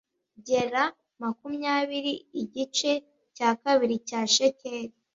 Gera makumyabiri igice cya kabiri cya shekeli